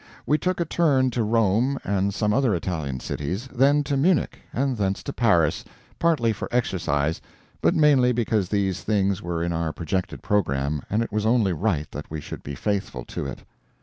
We took a turn to Rome and some other Italian cities then to Munich, and thence to Paris partly for exercise, but mainly because these things were in our projected program, and it was only right that we should be faithful to it.